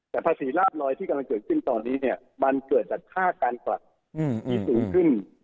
แต่ภาษีลาบลอยที่กำลังเกิดขึ้นตอนนี้เนี่ยมันเกิดจากค่าการกลับมีสูงขึ้น